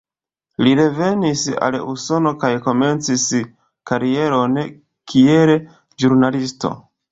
Li revenis al Usono kaj komencis karieron kiel ĵurnalisto.